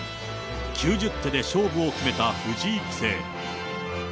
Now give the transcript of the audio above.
９０手で勝負を決めた藤井棋聖。